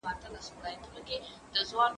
زه له سهاره موسيقي اورم؟!